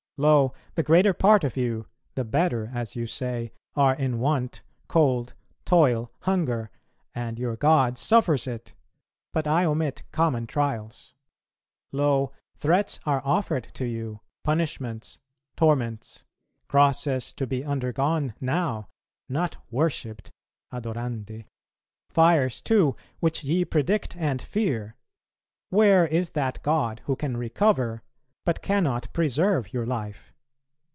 Lo, the greater part of you, the better, as you say, are in want, cold, toil, hunger, and your God suffers it; but I omit common trials. Lo, threats are offered to you, punishments, torments; crosses to be undergone now, not worshipped (adorandæ); fires too which ye predict and fear; where is that God who can recover, but cannot preserve your life?